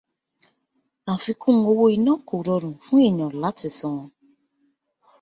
Àfikún owó iná kò rọrùn fún èèyàn láti san.